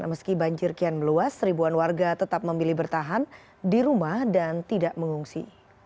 meski banjir kian meluas seribuan warga tetap memilih bertahan di rumah dan tidak mengungsi